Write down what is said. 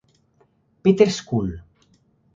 Peter's School.